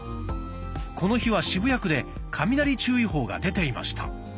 この日は渋谷区で「雷注意報」が出ていました。